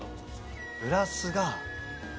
グラスが。